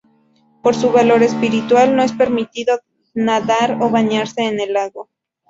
Por su valor espiritual no es permitido nadar o bañarse en el lago.